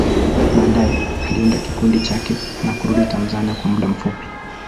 Baadaye, aliunda kikundi chake na kurudi Tanzania kwa muda mfupi.